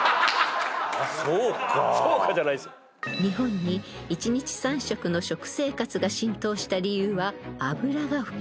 ［日本に１日３食の食生活が浸透した理由は油が普及したから］